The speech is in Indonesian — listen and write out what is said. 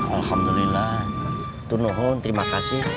alhamdulillah terima kasih